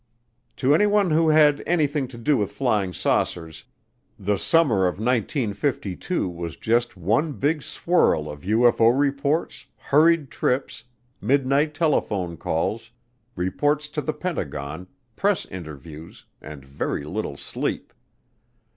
To anyone who had anything to do with flying saucers, the summer of 1952 was just one big swirl of UFO reports, hurried trips, midnight telephone calls, reports to the Pentagon, press interviews, and very little sleep.